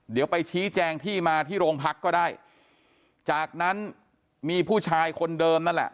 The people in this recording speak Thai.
เดี๋ยวไปชี้แจงที่มาที่โรงพักก็ได้จากนั้นมีผู้ชายคนเดิมนั่นแหละ